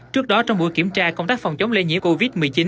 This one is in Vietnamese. trước đó trong buổi kiểm tra công tác phòng chống lây nhiễm covid một mươi chín